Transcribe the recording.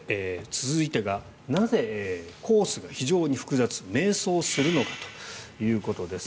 続いてがなぜ、コースが非常に複雑迷走するのかということです。